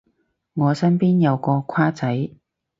我身邊有個跨仔